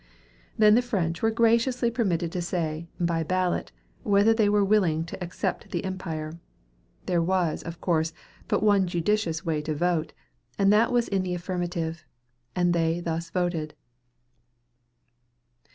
Then the French were graciously permitted to say, by ballot, whether they were willing to accept the empire. There was, of course, but one judicious way to vote, and that was in the affirmative, and they thus voted.